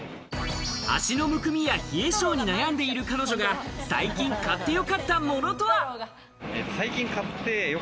足のむくみや冷え性に悩んでいる彼女が最近買ってよかったものとは。